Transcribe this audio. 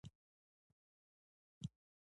باد ځینې وخت نرم وي